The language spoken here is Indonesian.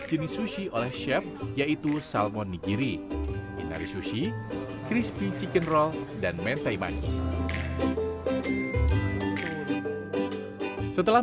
jenis sushi oleh chef yaitu salmon nigiri inari sushi crispy chicken roll dan mentai mandi setelah